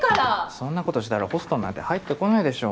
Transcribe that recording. そんなことしてたらホストなんて入ってこないでしょ。